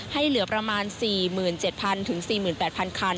เหลือประมาณ๔๗๐๐๔๘๐๐คัน